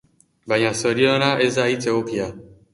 Baina zoriona ez da hitz egokia.